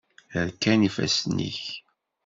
Rkan yifassen-nnek.